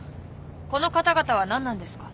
この方々は何なんですか？